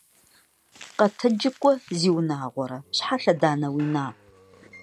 Къэтэджи кӏуэ, зи унагъуэрэ. Щхьэ лъэданэ уина?